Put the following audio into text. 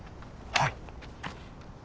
はい！